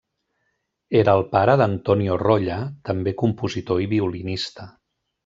Era el pare d'Antonio Rolla també compositor i violinista.